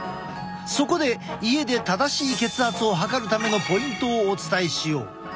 そこで家で正しい血圧を測るためのポイントをお伝えしよう。